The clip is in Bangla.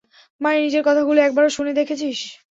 মানে, নিজের কথাগুলো একবারও শুনে দেখেছিস?